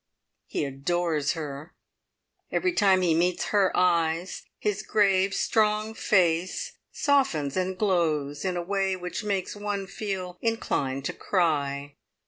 He adores her. Every time he meets her eyes, his grave, strong face softens and glows in a way which makes one feel inclined to cry.